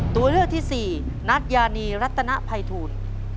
ตัวเลือกที่สี่นัทยานีรัตนภัยทูล